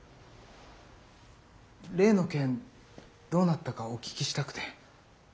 例の件どうなったかお聞きしたくて。